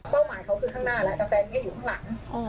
หมายเขาคือข้างหน้าแล้วแต่แฟนก็ยังอยู่ข้างหลัง